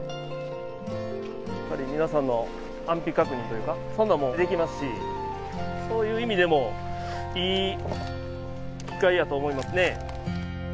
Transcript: やっぱり皆さんの安否確認というか、そんなんもできますし、そういう意味でもいい機会やと思いますね。